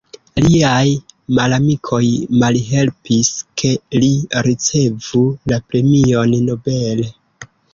Liaj malamikoj malhelpis ke li ricevu la premion Nobel.